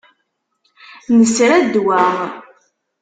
Nesra ddwa.